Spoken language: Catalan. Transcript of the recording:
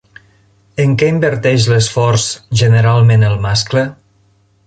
En què inverteix l'esforç generalment el mascle?